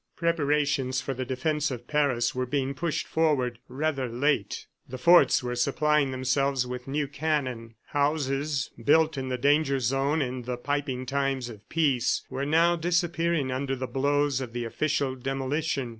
Preparations for the defense of Paris were being pushed forward ... rather late. The forts were supplying themselves with new cannon. Houses, built in the danger zone in the piping times of peace, were now disappearing under the blows of the official demolition.